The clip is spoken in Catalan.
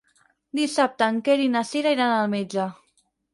Dissabte en Quer i na Cira iran al metge.